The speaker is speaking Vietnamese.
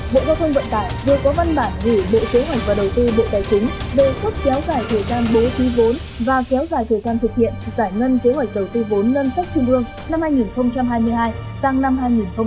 bộ giao thông vận tải vừa có văn bản gửi bộ kế hoạch và đầu tư bộ tài chính đề xuất kéo dài thời gian bố trí vốn và kéo dài thời gian thực hiện giải ngân kế hoạch đầu tư vốn ngân sách trung ương năm hai nghìn hai mươi hai sang năm hai nghìn hai mươi